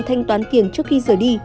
thanh toán tiền trước khi rời đi